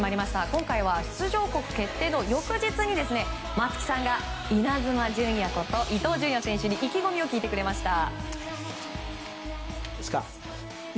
今回は出場国決定の翌日に松木さんがイナズマ純也こと伊東純也選手に意気込みを聞いてくれました。